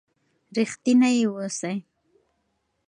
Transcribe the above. ریښتینی اوسئ.